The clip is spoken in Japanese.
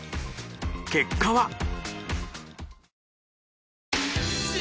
結果は？